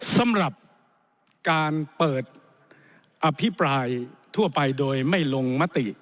สำหรับการเปิดอภิปรายทั่วไปโดยไม่ลงมติ